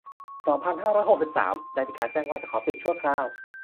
สองพันห้าร้อยหกสิบสาม ได้มีการแจ้งว่าจะขอปิดชั่วคราว